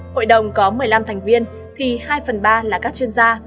hội đồng có một mươi năm thành viên thì hai phần ba là các chuyên gia